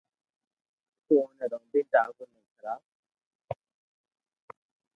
تو اوني رودين ٽاٻرو ني کراو